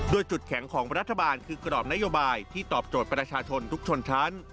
โดยจุดแข็งของรัฐบาลคือกรอบนโยบายที่ตอบโจทย์ประชาชนทุกชนชั้น